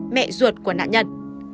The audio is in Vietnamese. mẹ ruột của nạn nhân